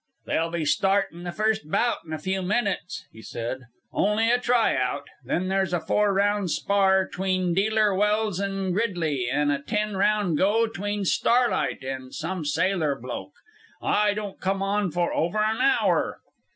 "They'll be startin' the first bout in a few minutes," he said. "Only a try out. Then there's a four round spar 'tween Dealer Wells an' Gridley, an' a ten round go 'tween Starlight an' some sailor bloke. I don't come on for over an hour."